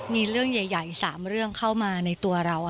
มีเรื่องใหญ่๓เรื่องเข้ามาในตัวเรา